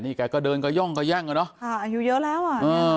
นี่แกก็เดินกระย่องกระแย่งอ่ะเนอะค่ะอายุเยอะแล้วอ่ะเออ